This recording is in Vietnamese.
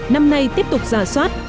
năm nay tiếp tục ra soát